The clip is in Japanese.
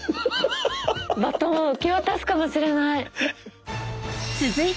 バトンを受け渡すかもしれない。